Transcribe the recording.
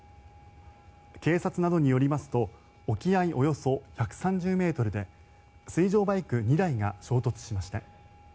警察などによりますと沖合およそ１３０ｍで水上バイク２台が衝突しました。